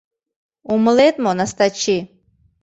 Умылет мо, Настачи?